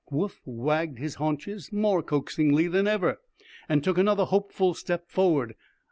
Woof wagged his haunches more coaxingly than ever, and took another hopeful step forward.